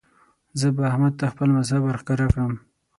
زه به احمد ته خپل مذهب ور ښکاره کړم.